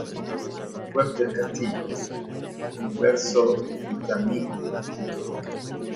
Web del castillo: universopittamiglio.com